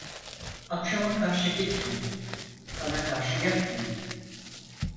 Akşama karşı gitme, tana karşı yatma.